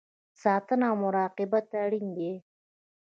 ساتنه او مراقبت اړین دی